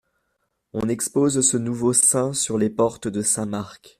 On expose ce nouveau saint sur les portes de Saint-Marc.